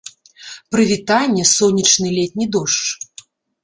Прывітанне, сонечны летні дождж!